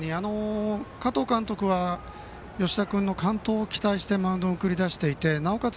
加藤監督は吉田君の完投を期待してマウンドに送り出していてなおかつ